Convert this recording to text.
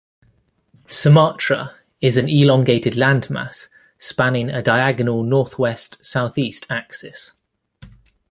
Sumatra is an elongated landmass spanning a diagonal northwest-southeast axis.